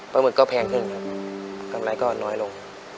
หมึกก็แพงขึ้นครับกำไรก็น้อยลง